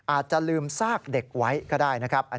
อาจจะลืมซากเด็กไว้ก็ได้นะครับ